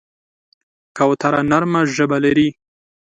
کوتره نرمه ژبه لري.